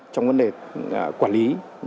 trong vấn đề quản lý